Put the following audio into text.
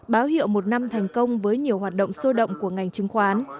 báo hiệu một năm thành công với nhiều hoạt động sôi động của ngành chứng khoán